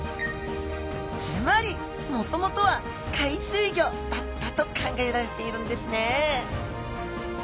つまりもともとは海水魚だったと考えられているんですね